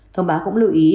thông báo cũng lưu ý